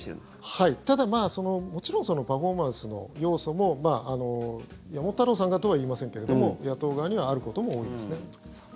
ただ、もちろんパフォーマンスの要素も山本太郎さんがとは言いませんけれども野党側にはあることも多いですね。